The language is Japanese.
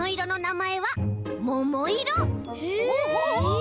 え